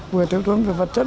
vừa thiếu tốn về vật chất